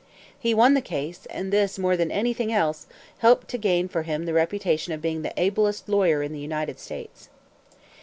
He won the case; and this, more than anything else, helped to gain for him the reputation of being the ablest lawyer in the United States.